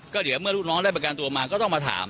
ก็เดี๋ยวเมื่อลูกน้องได้ประกันตัวมาก็ต้องมาถาม